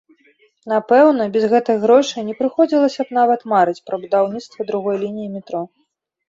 Напэўна, без гэтых грошай не прыходзілася б нават марыць пра будаўніцтва другой лініі метро.